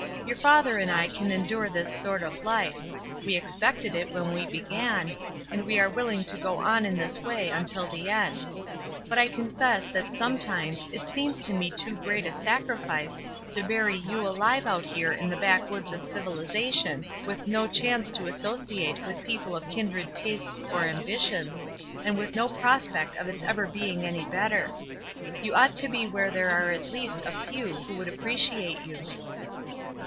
Your father and I can endure this sort of life,— we expected it when we began, — and we are willing to go on in this way until the end ; but I confess that sometimes it seems to me too great a sacrifice to bury you alive out here in the backwoods of civiUzation with no chance to associate with people of kindred tastes or ambitions, and with no prospect of its ever being any better. You ought to be where there were at least a few who could appreciate you."